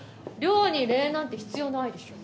稜に礼なんて必要ないでしょ。